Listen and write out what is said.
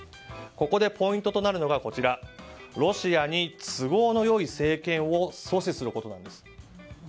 ここでポイントとなるのがロシアに都合のよい政権を阻止することなんです。